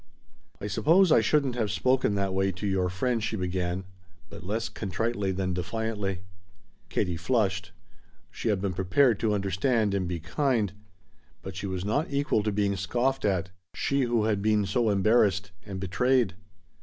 "I suppose I shouldn't have spoken that way to your friend," she began, but less contritely than defiantly. Katie flushed. She had been prepared to understand and be kind. But she was not equal to being scoffed at, she who had been so embarrassed and betrayed.